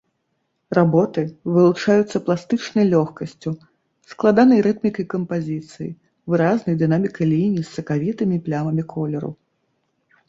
Работы вылучаюцца пластычнай лёгкасцю, складанай рытмікай кампазіцыі, выразнай дынамікай ліній з сакавітымі плямамі колеру.